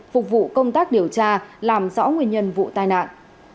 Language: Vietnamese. phục vụ công tác điều tra làm rõ nguyên nhân vụ tai nạn